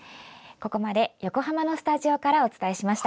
ここまで、横浜のスタジオからお伝えしました。